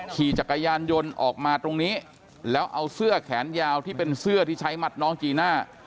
ขี่จักรยานยนต์ออกมาตรงนี้แล้วเอาเสื้อแขนยาวที่เป็นเสื้อที่ใช้มัดน้องจีน่า